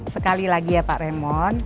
sekali lagi ya pak remon